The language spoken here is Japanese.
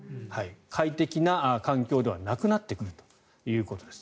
快適な環境ではなくなってくるということです。